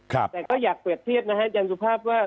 แต่ก็อยากเปรียบเทียบนะฮะอาจารย์สุภาพว่า